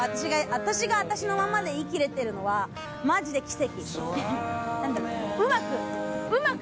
私が私のまんまで生きれてるのはマジで奇跡。